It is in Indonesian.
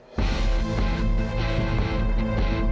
sampai jumpa lagi